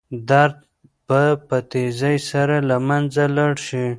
درد به په تېزۍ سره له منځه لاړ شي.